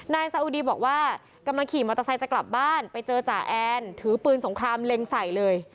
นายสาอุดีบอกว่ากำลังขี่มอเตอร์ไซค์จะกลับบ้านไปเจอจ่าแอนถือปืนสงครามเล็งใส่เลย